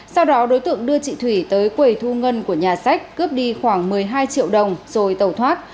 sau đó đối tượng đưa chị thủy tới quầy thu ngân của nhà sách cướp đi khoảng một mươi hai triệu đồng rồi tẩu thoát